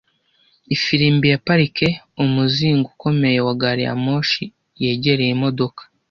Ifirimbi ya parike, umuzingo ukomeye wa gari ya moshi yegera imodoka,